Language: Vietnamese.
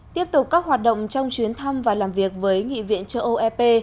tiếp tục các hoạt động trong chuyến thăm và làm việc với nghị viện châu âu ep